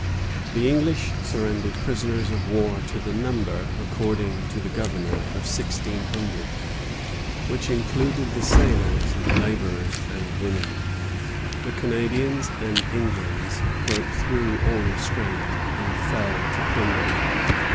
The English surrendered prisoners of war, to the number, according to the Governor, of sixteen hundred, which included the sailors, laborers, and women. The Canadians and Indians broke through all restraint, and fell to plundering.